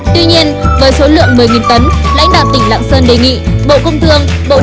tuy nhiên với số lượng một mươi tấn lãnh đạo tỉnh lạng sơn đề nghị bộ công thương bộ nông nghiệp và phát triển nông thôn cùng vào cuộc